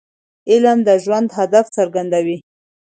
علم د ژوند هدف څرګندوي.